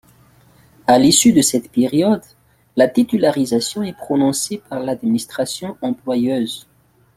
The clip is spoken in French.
A l’issue de cette période, la titularisation est prononcée par l’administration employeuse.